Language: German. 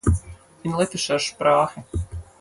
In lettischer Sprache